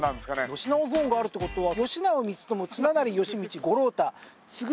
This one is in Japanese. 義直ゾーンがあるって事は。